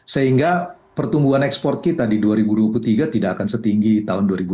sehingga pertumbuhan ekspor kita di dua ribu dua puluh tiga tidak akan setinggi tahun dua ribu dua puluh